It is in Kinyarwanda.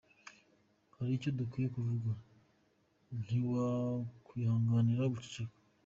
Hari icyo dukwiye kuvuga, ntiwakwihanganira guceceka.